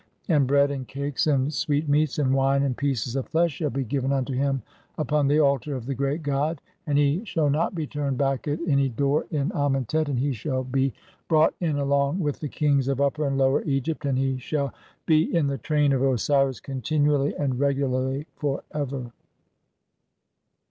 AND BREAD, AND CAKES, AND SWEETMEATS, (5i) AND WINE, AND PIECES OF FLESH SHALL BE GIVEN UNTO HIM UPON THE ALTAR OF THE GREAT GOD; AND HE SHALL NOT BE TURNED BACK AT ANY DOOR IN AMENTET, AND HE SHALL BE (52) BROUGHT IN ALONG WITH THE KINGS OF UPPER AND LOWER EGYPT, AND HE SHALL BE IN THE TRAIN OF OSIRIS' CONTINUALLY AND REGU LARLY FOR EVER.